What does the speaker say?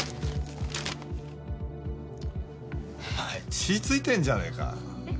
血付いてんじゃねえっ？